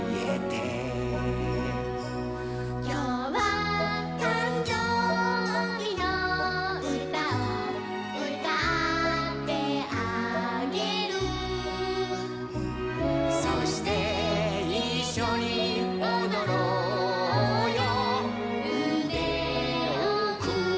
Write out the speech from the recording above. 「きょうはたんじょうびのうたをうたってあげる」「そしていっしょにおどろうようでをくんで、、、」